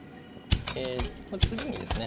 え次にですね